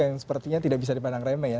yang sepertinya tidak bisa dipandang remeh ya